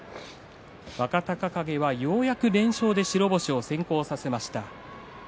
若隆景は、ようやく連勝で白星を先行させました。